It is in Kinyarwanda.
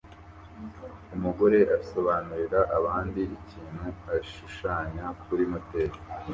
Umugore asobanurira abandi ikintu ashushanya kuri moteri